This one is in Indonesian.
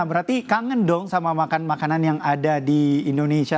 berarti kangen dong sama makan makanan yang ada di indonesia